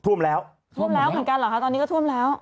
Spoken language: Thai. ท่วมแล้วเหมือนกันหรอครับตอนนี้ก็ท่วมแล้ว